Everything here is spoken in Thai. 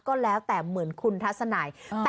ก็แล้วแต่เหมือนคุณทัศนัย